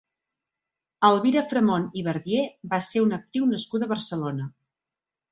Elvira Fremont i Verdier va ser una actriu nascuda a Barcelona.